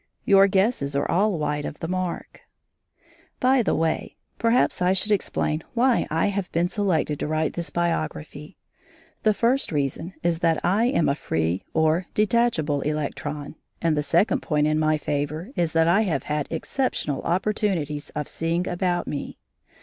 Your guesses are all wide of the mark. By the way, perhaps I should explain why I have been selected to write this biography. The first reason is that I am a free or detachable electron, and the second point in my favour is that I have had exceptional opportunities of seeing about me.